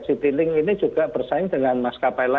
dan saat ini benarnya citilink ini juga bersaing dengan maskapai